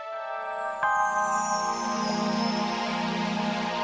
ya udah mpok